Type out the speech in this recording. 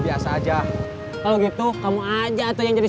dia sudah lewet dua kali menurutmu